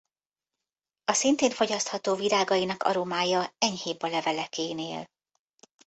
A szintén fogyasztható virágainak aromája enyhébb a levelekénél.